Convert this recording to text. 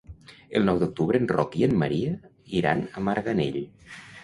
El nou d'octubre en Roc i en Maria iran a Marganell.